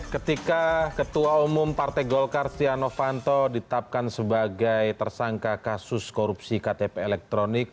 ketika ketua umum partai golkar stiano fanto ditapkan sebagai tersangka kasus korupsi ktp elektronik